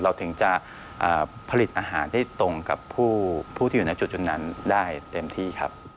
เราถึงจะผลิตอาหารได้ตรงกับผู้ที่อยู่ในจุดนั้นได้เต็มที่ครับ